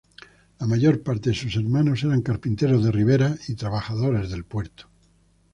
La mayor parte de sus hermanos eran carpinteros de ribera y trabajadores del puerto.